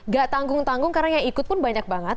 gak tanggung tanggung karena yang ikut pun banyak banget